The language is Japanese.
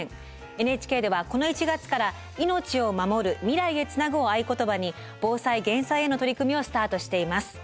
ＮＨＫではこの１月から「命をまもる未来へつなぐ」を合言葉に防災・減災への取り組みをスタートしています。